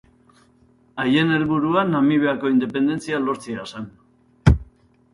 Haien helburua Namibiako independentzia lortzea zen.